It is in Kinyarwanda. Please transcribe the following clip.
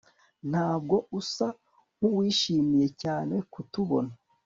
Ntabwo usa nkuwishimiye cyane kutubona